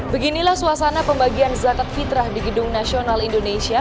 beginilah suasana pembagian zakat fitrah di gedung nasional indonesia